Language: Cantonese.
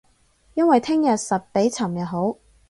因為聼日實比尋日好